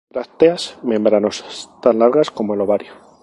Brácteas membranosas, tan largas como el ovario.